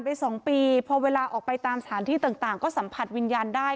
สองปีพอเวลาออกไปตามสถานที่ต่างก็สัมผัสวิญญาณได้